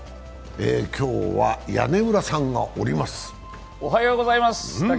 今日は屋根裏さんがおります。